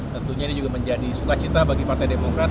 tentunya ini juga menjadi sukacita bagi partai demokrat